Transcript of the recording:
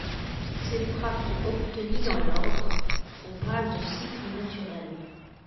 Si ces frappes sont obtenues dans l'ordre, on parle de cycle naturel.